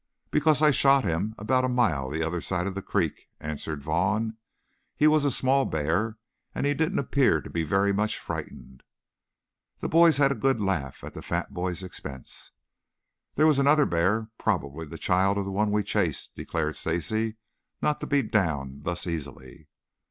"Because I shot him about a mile the other side of the creek," answered Vaughn. "He was a small bear and he didn't appear to be very much frightened." The boys had a good laugh at the fat boy's expense. "That was another bear, probably the child of the one we chased," declared Stacy, not to be downed thus easily.